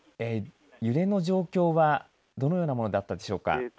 揺れの状況はどのようなものだったのでしょうか。